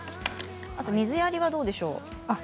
水やりはどうでしょう。